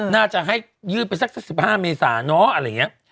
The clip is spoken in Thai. น่าจะให้ยืดไปสัก๑๕เมษาเนอะอะไรอย่างนี้